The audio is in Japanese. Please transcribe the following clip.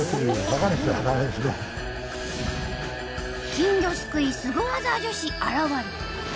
金魚すくいすご技女子現る！